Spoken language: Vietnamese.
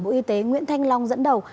bộ y tế nguyễn thanh long dẫn đầu